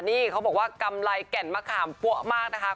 นี่เขาบอกว่ากำไรแก่นมะขามปั้วมากนะคะ